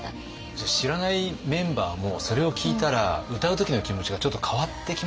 じゃあ知らないメンバーもそれを聞いたら歌う時の気持ちがちょっと変わってきますよね。